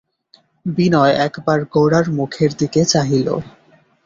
বিনয় একবার গোরার মুখের দিকে চাহিল।